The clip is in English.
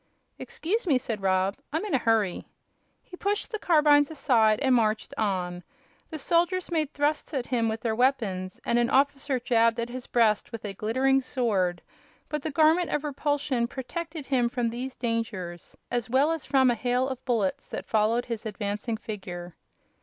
"Excuse me," said Rob; "I'm in a hurry." He pushed the carbines aside and marched on. The soldiers made thrusts at him with their weapons, and an officer jabbed at his breast with a glittering sword, but the Garment of Repulsion protected him from these dangers as well as from a hail of bullets that followed his advancing figure.